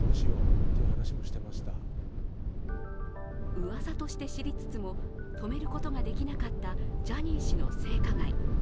うわさとして知りつつも止めることができなかったジャニー氏の性加害。